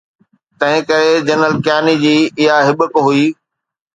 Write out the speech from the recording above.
تنهن ڪري جنرل ڪياني جي اها هٻڪ هئي.